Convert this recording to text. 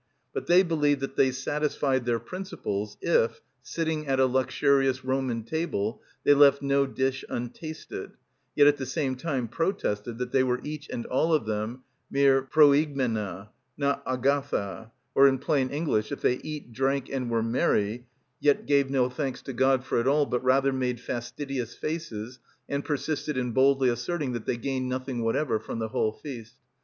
But they believed that they satisfied their principles if, sitting at a luxurious Roman table, they left no dish untasted, yet at the same time protested that they were each and all of them mere προηγμενα, not αγαθα; or in plain English, if they eat, drank, and were merry, yet gave no thanks to God for it all, but rather made fastidious faces, and persisted in boldly asserting that they gained nothing whatever from the whole feast.